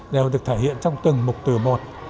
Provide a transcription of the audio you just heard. đều được thể hiện trong từng mục tờ một